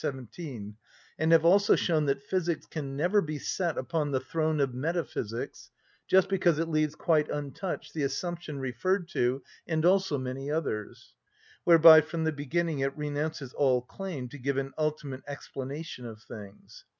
17, and have also shown that physics can never be set upon the throne of metaphysics, just because it leaves quite untouched the assumption referred to and also many others; whereby from the beginning it renounces all claim to give an ultimate explanation of things.